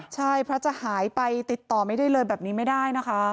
ใช่พระจะหายไปติดต่อไม่ได้เลยแบบนี้ไม่ได้นะคะ